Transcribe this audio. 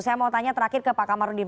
saya mau tanya terakhir ke pak kamarudin